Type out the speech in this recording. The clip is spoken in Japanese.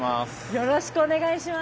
よろしくお願いします。